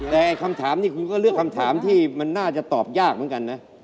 แต่คำถามนี้คุณก็เลือกคำถามที่มันน่าจะตอบยากเหมือนกันนะ